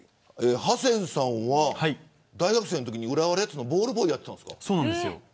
ハセンさんは大学生のときに浦和レッズのボールボーイそうなんですよ。